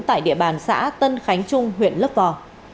tại địa bàn xã tân khánh trung huyện lớp vò